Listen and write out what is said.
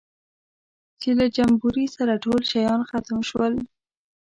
چې له جمبوري سره ټول شیان ختم شول.